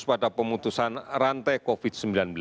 pada pemutusan rantai covid sembilan belas